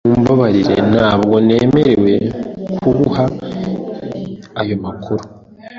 Mumbabarire, ntabwo nemerewe kuguha ayo makuru .